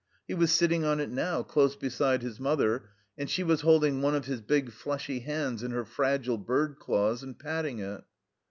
He was sitting on it now, close beside his mother, and she was holding one of his big, fleshy hands in her fragile bird claws and patting it.